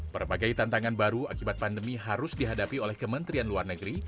berbagai tantangan baru akibat pandemi harus dihadapi oleh kementerian luar negeri